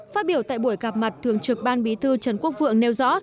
phát biểu tại buổi gặp mặt thường trực ban bí thư trần quốc vượng nêu rõ